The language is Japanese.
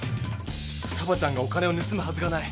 ふたばちゃんがお金をぬすむはずがない。